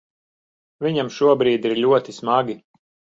Viņam šobrīd ir ļoti smagi.